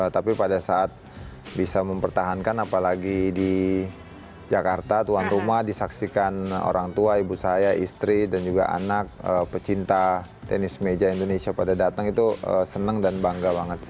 tapi pada saat bisa mempertahankan apalagi di jakarta tuan rumah disaksikan orang tua ibu saya istri dan juga anak pecinta tenis meja indonesia pada datang itu senang dan bangga banget